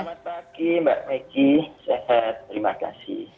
selamat pagi mbak megi sehat terima kasih